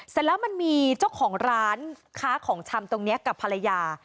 เสร็จแล้วมันมีเจ้าของร้านค้าของชำตรงนี้กับภรรยา